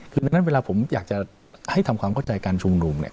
คือดังนั้นเวลาผมอยากจะให้ทำความเข้าใจการชุมนุมเนี่ย